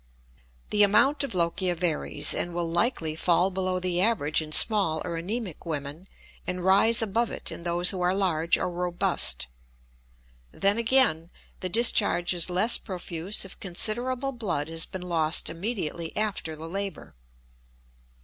The amount of lochia varies, and will likely fall below the average in small or anemic women and rise above it in those who are large or robust. Then again, the discharge is less profuse if considerable blood has been lost immediately after the labor.